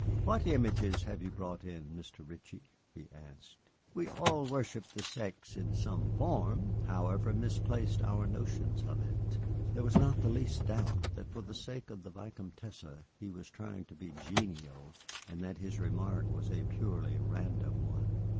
"What images have you brought in, Mr. Ritchie?" he asked. "We all worship the sex in some form, however misplaced our notions of it." There is not the least doubt that, for the sake of the Vicomtesse, he was trying to be genial, and that his remark was a purely random one.